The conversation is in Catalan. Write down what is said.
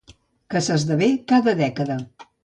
Que s'esdevé cada dècada.